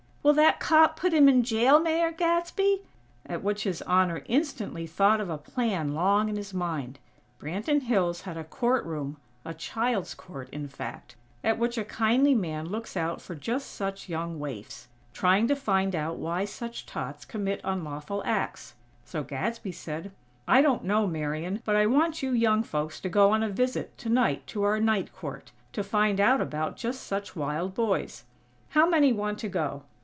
Will that cop put him in jail, Mayor Gadsby?" At which His Honor instantly thought of a plan long in his mind. Branton Hills had a court room, a child's court, in fact, at which a kindly man looks out for just such young waifs trying to find out why such tots commit unlawful acts. So Gadsby said: "I don't know, Marian, but I want you young folks to go on a visit, tonight, to our night court, to find out about just such wild boys. How many want to go?"